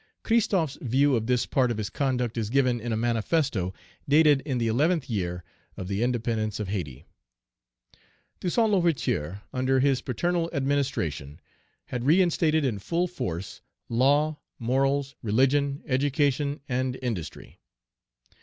Christophe's view of this part of his conduct is given in a manifesto, dated in the eleventh year of the Independence of Hayti: "Toussaint L'Ouverture, under his paternal administration, had reinstated, in full force, law, morals, religion, education, and industry.